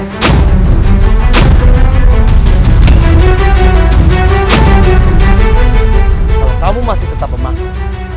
kalau kamu masih tetap memaksa